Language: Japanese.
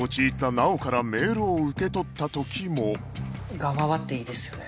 「ガワワ」っていいですよね。